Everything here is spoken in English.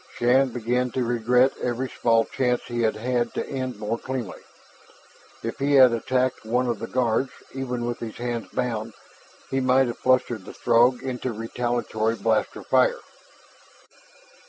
Shann began to regret every small chance he had had to end more cleanly. If he had attacked one of the guards, even with his hands bound, he might have flustered the Throg into retaliatory blaster fire.